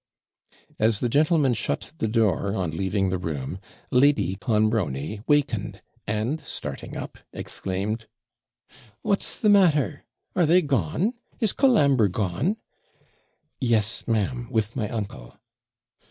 As the gentlemen shut the door on leaving the room, Lady Clonbrony wakened, and, starting up, exclaimed 'What's the matter? Are they gone? Is Colambre gone?' 'Yes, ma'am, with my uncle.'